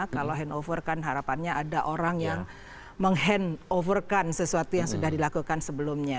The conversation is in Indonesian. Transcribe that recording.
kalau handover kan harapannya ada orang yang meng handoverkan sesuatu yang sudah dilakukan sebelumnya